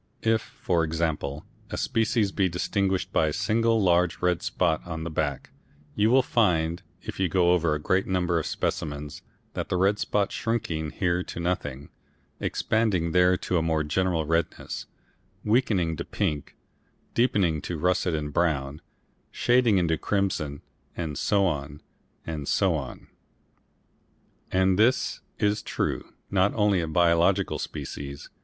If, for example, a species be distinguished by a single large red spot on the back, you will find if you go over a great number of specimens that red spot shrinking here to nothing, expanding there to a more general redness, weakening to pink, deepening to russet and brown, shading into crimson, and so on, and so on. And this is true not only of biological species.